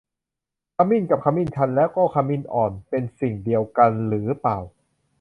ขมิ้น กับขมิ้นชัน แล้วก็ขมิ้นอ่อน เป็นสิ่งเดียวกันหรือเปล่า